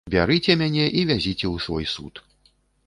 Бярыце мяне і вядзіце ў свой суд.